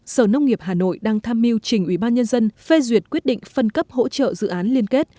sở nông nghiệp hà nội đang tham mưu trình ubnd phê duyệt quyết định phân cấp hỗ trợ dự án liên kết